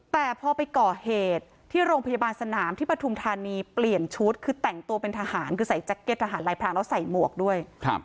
แต่พอไปก่อเหตุที่โรงพยาบาลสนามที่ปฐุมธานีเปลี่ยนชุดคือแต่งตัวเป็นทหารคือใส่แจ็คเก็ตทหารลายพรางแล้วใส่หมวกด้วย